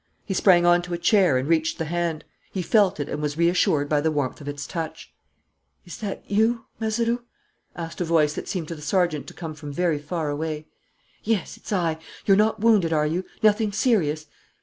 He sprang on to a chair and reached the hand. He felt it and was reassured by the warmth of its touch. "Is that you, Mazeroux?" asked a voice that seemed to the sergeant to come from very far away. "Yes, it's I. You're not wounded, are you? Nothing serious?"